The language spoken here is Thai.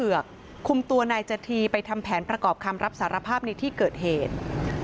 หื่อเกือกคุมตัวนายจะทีไปทำแผนประกอบคำรับศาลภาพในที่เกิดเหตุ